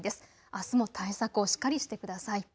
あすも対策をしっかりしてください。